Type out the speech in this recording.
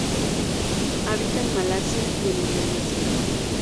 Habita en Malasia y en Indonesia.